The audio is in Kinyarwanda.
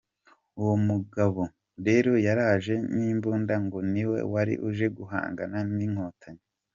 Uwo mugabo rero yaraje n’imbunda ngo niwe wari uje guhangana n’inkotanyi.